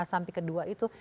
sampai kedua itu